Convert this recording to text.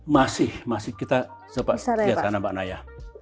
masih masih kita coba lihatkan pak naya